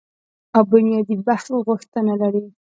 او بنیادي بحث غوښتنه لري